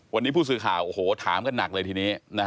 วันนี้ผู้สื่อข่าวโอ้โหถามกันหนักเลยทีนี้